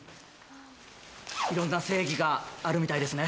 いろんな正義があるみたいですね。